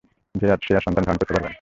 যে আর সন্তান ধারণ করতে পারবে না।